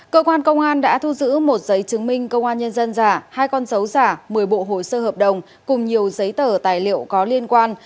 cơ quan công an đã thu giữ một giấy chứng minh công an nhân dân giả hai con dấu giả một mươi bộ hồ sơ hợp đồng cùng nhiều giấy tờ tài liệu có liên quan